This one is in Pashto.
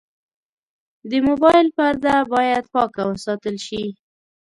د موبایل پرده باید پاکه وساتل شي.